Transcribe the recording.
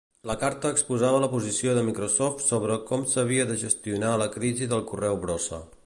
La carta exposava la posició de Microsoft sobre com s'havia de gestionar la crisi del correu brossa.